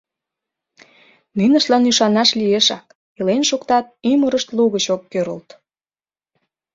Ниныштлан ӱшанаш лиешак: илен шуктат, ӱмырышт лугыч ок кӱрылт...